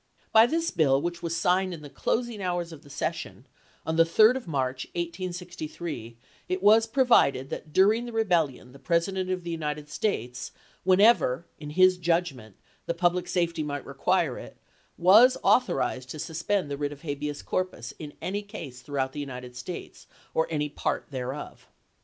By this bill, which was signed in the closing hours of the session, on the 3d of March, 1863, it was provided that dm ing the Rebellion the President of the United States, whenever, in his judgment, the public safety might require it, was authoiized to suspend the writ of habeas corpus in any case throughout the United States, or any part thereof.